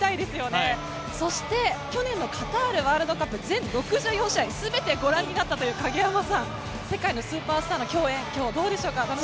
去年のカタールワールドカップ全６４試合、全てご覧になったという影山さん、世界のスーパースターの共演、どうでしょうか？